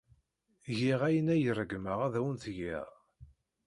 Giɣ ayen ay ṛeggmeɣ ad awen-t-geɣ.